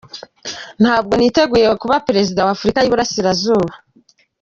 Ntabwo niteguye kuba Perezida wa Afurika y’Iburasirazuba’.